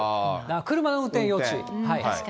車の運転要注意。